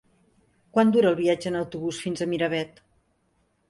Quant dura el viatge en autobús fins a Miravet?